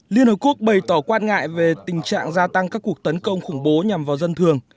liên hợp quốc bày tỏ quan ngại về tình trạng gia tăng các cuộc tấn công khủng bố nhằm vào dân thường